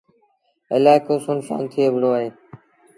الآئيڪو سُن سآݩ ٿئي وهي دو۔